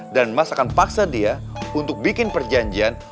dan mas akan paksa dia untuk bikin perjanjian